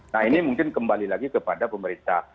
nah ini mungkin kembali lagi kepada pemerintah